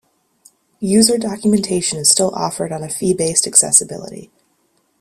User documentation is still offered on a fee-based accessibility.